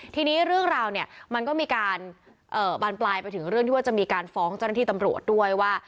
ทีนี้เรื่องราวเนี่ยมันก็มีการบานปลายไปถึงเรื่องที่ว่าจะมีการฟ้องเจ้าหน้าที่ตำรวจด้วยว่า